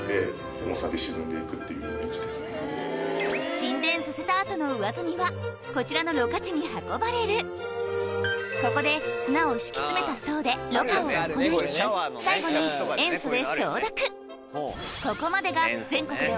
沈殿させた後の上澄みはこちらのろ過池に運ばれるここで砂を敷き詰めた層でろ過を行い最後にすごいデカいね